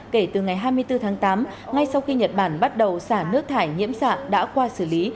kể từ ngày hai mươi bốn tháng tám ngay sau khi nhật bản bắt đầu xả nước thải nhiễm xạ đã qua xử lý